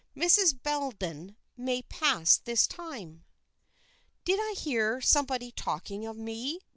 Mrs. Bellenden may pass this time." "Did I hear somebody talking of me?"